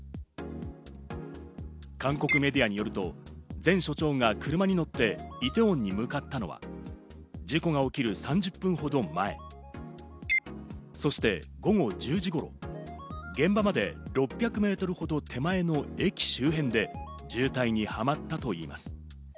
韓国メディアによると、前署長が車に乗ってイテウォンに向かったのは、事故が起きる３０分ほど前、そして午後１０時頃、現場まで６００メートルほど手前の駅周辺で渋滞にはまったといいます。